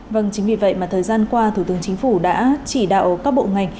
vâng chính vì vậy mà thời gian qua thủ tướng chính phủ đã chỉ đạo các bộ ngành